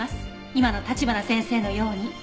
今の橘先生のように。